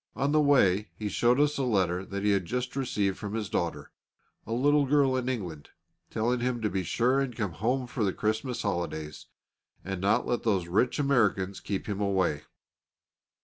On the way he showed us a letter that he had just received from his daughter, a little girl in England, telling him to be sure and come home for the Christmas holidays, and not to let those rich Americans keep him away.